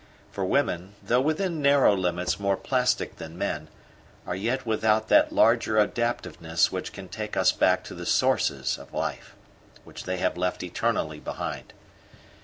For women, though within narrow limits more plastic than men, are yet without that larger adaptiveness which can take us back to the sources of life, which they have left eternally behind.